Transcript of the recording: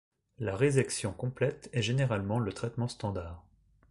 La résection complète est généralement le traitement standard.